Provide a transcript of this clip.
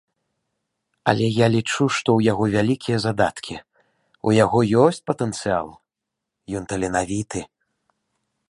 Але я лічу, што ў яго вялікія задаткі, у яго ёсць патэнцыял, ён таленавіты.